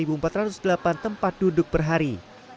dan berangkat sejumlah tempat duduk per hari